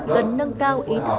cần nâng cao ý kiến